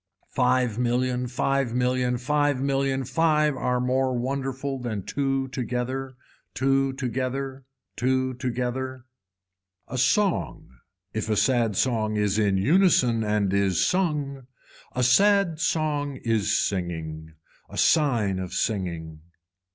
Five million, five million, five million, five are more wonderful than two together. Two together, two together. A song, if a sad song is in unison and is sung, a sad song is singing. A sign of singing.